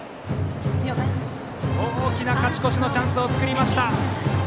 大きな勝ち越しのチャンスを作りました！